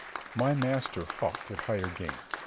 My master hawked at higher game.